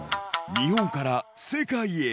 日本から世界へ。